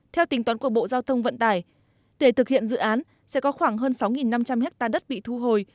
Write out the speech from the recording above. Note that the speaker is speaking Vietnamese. theo tính toán của bộ giao thông vận tải để thực hiện dự án sẽ có khoảng hơn sáu năm trăm linh hectare đất bị thu hồi